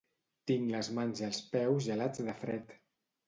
Tinc les mans i els peus gelats de fred